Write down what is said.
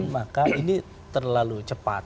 maka ini terlalu cepat